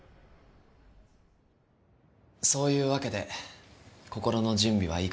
そういうわけで心の準備はいいかな？